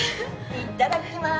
いただきます